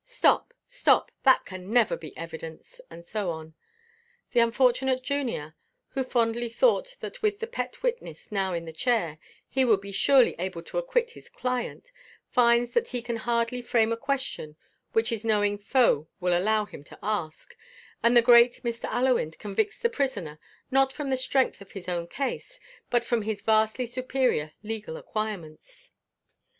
Stop, stop; that can never be evidence," and so on: the unfortunate junior, who fondly thought that with the pet witness now in the chair, he would be surely able to acquit his client, finds that he can hardly frame a question which his knowing foe will allow him to ask, and the great Mr. Allewinde convicts the prisoner not from the strength of his own case, but from his vastly superior legal acquirements.